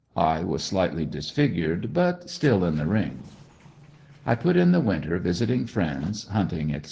I was slightly disfigured, but still in the ring. I put in the winter visiting friends, hunting, etc.